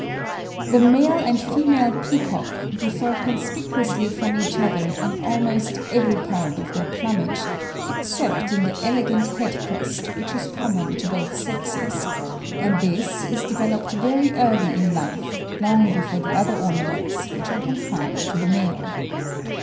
The male and female Peacock differ conspicuously from each other in almost every part of their plumage, except in the elegant head crest, which is common to both sexes; and this is developed very early in life, long before the other ornaments, which are confined to the male.